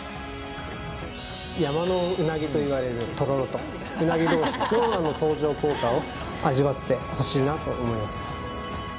山のウナギといわれるとろろとウナギ同士、相乗効果を味わってほしいなと思います。